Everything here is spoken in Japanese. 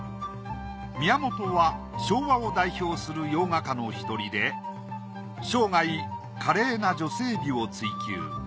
宮本は昭和を代表する洋画家の１人で生涯華麗な女性美を追求。